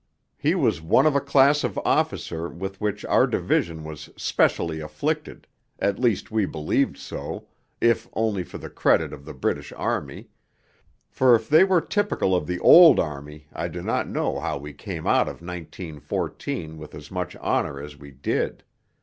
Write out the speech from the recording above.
He was one of a class of officer with which our division was specially afflicted at least we believed so, if only for the credit of the British Army; for if they were typical of the Old Army I do not know how we came out of 1914 with as much honour as we did.